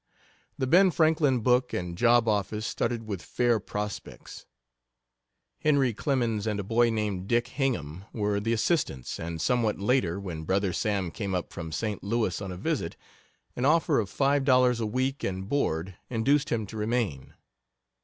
The Ben Franklin Book and Job Office started with fair prospects. Henry Clemens and a boy named Dick Hingham were the assistants, and somewhat later, when brother Sam came up from St. Louis on a visit, an offer of five dollars a week and board induced him to remain.